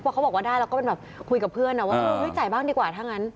แล้วเขาบอกว่าได้แล้วก็คุยกับเพื่อนว่าจ่ายบ้างดีกว่าทั้งอัน